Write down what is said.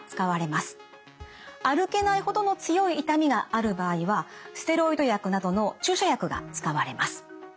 歩けないほどの強い痛みがある場合はステロイド薬などの注射薬が使われます。